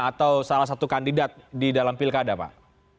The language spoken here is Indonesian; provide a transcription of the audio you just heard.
atau salah satu kandidat di dalam pilkada pak